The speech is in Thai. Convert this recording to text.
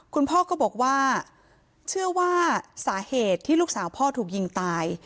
คุณพ่อก็บอกว่าเชื่อว่าสาเหตุที่ลูกสาวพ่อถูกยิงตาย